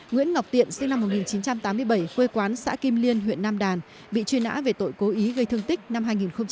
nguyễn ngọc tiện sinh năm một nghìn chín trăm tám mươi bảy quê quán xã kim liên huyện nam đàn bị truy nã về tội cố ý gây thương tích năm hai nghìn một mươi